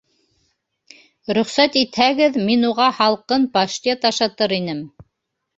Рөхсәт итһәгеҙ, мин уға һалҡын паштет ашатыр инем.